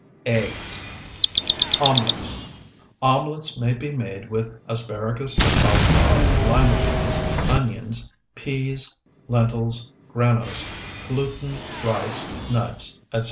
EGGS OMELETS Omelets may be made with asparagus, cauliflower, lima beans, onions, peas, lentils, granose, gluten, rice, nuts, etc.